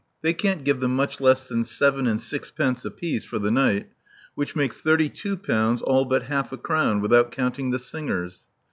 They can't give them much less than seven and sixpence apiece for the night, which makes thirty two pounds all but half a crown, without counting the singers."